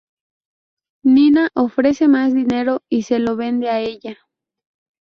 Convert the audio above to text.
Nina ofrece más dinero y se lo vende a ella.